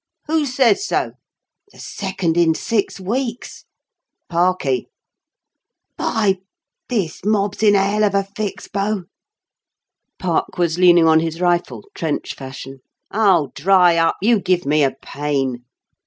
"Who says so?" "The second in six weeks!" "Parkie." "By ! This mob's in a Hell of a fix, Bo'." Park was leaning on his rifle, trench fashion. "Oh, dry up. You give me a pain."